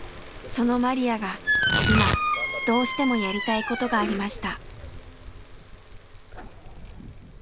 そのマリヤが今どうしてもやりたいことがありました。